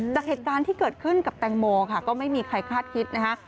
จากเหตุการณ์ที่เกิดขึ้นกับแตงโมค่ะก็ไม่มีใครคาดคิดนะคะ